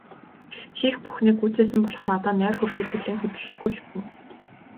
Хийх бүхнээ гүйцээсэн болохоор одоо нойр хүрэхийг хүлээн хөдлөлгүй хэвтэнэ.